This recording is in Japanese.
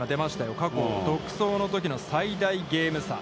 過去、独走のときの最大ゲーム差。